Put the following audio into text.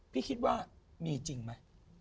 พี่คิดว่ามีจริงไหม